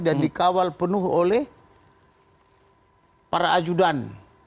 dan dikawal penuh oleh para ajudan